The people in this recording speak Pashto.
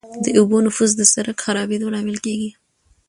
د اوبو نفوذ د سرک د خرابېدو لامل کیږي